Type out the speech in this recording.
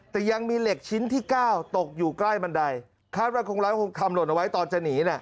แต่ยังมีเหล็กชิ้นที่๙ตกอยู่ใกล้บันไดคาดว่าคนร้ายคงทำหล่นเอาไว้ตอนจะหนี